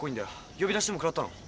呼び出しでも食らったの？